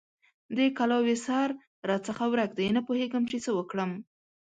د کلاوې سر راڅخه ورک دی؛ نه پوهېږم چې څه وکړم؟!